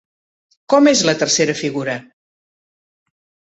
Com és la tercera figura?